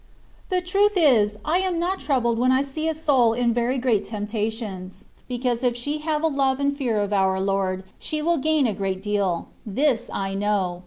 The truth is, I am not troubled when I see a soul in very great temptations, because if she have a love and fear of our Lord, she will gain a great deal: this I know.